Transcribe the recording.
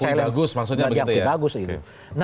diakui bagus maksudnya begitu ya